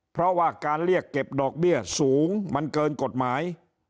เพราะว่าการเรียกเก็บดอกเบี้ยสูงมันเกินกฎหมาย